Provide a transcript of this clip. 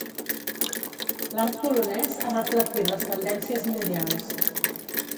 L'art polonès ha reflectit les tendències mundials.